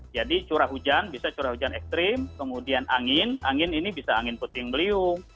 jadi curah hujan bisa curah hujan ekstrim kemudian angin angin ini bisa angin puting beliung